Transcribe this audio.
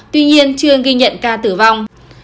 tuy nhiên chưa ghi nhận ca tử vong